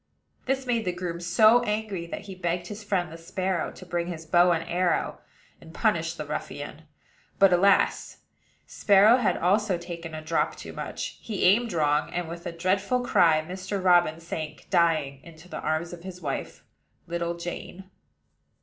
This made the groom so angry that he begged his friend, the sparrow, to bring his bow and arrow, and punish the ruffian. But, alas! Sparrow had also taken a drop too much: he aimed wrong, and, with a dreadful cry, Mr. Robin sank dying into the arms of his wife, little Jane.